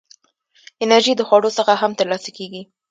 انرژي د خوړو څخه هم ترلاسه کېږي.